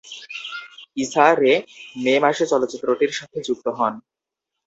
ইসা Rae May মাসে চলচ্চিত্রটির সাথে যুক্ত হন।